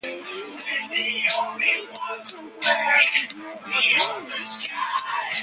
Initially the eight stations were allowed regional autonomy.